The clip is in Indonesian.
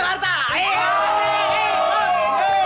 aku ngelahirin dia